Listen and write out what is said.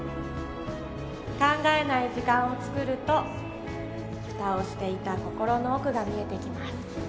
考えない時間をつくると蓋をしていた心の奥が見えてきます